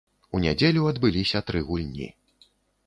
У нядзелю адбыліся тры гульні.